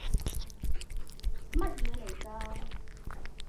乜嘢嚟㗎？